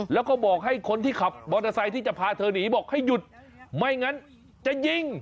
แล้วก็บอกให้คนที่ขับมอเตอร์ไซค์ที่จะพาเธอหนีบอกให้หยุดไม่งั้นจะยิง